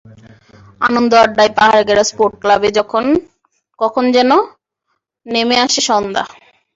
আনন্দে আড্ডায় পাহাড় ঘেরা স্পোর্টস ক্লাবে কখন যেন নেমে আসে সন্ধ্যা।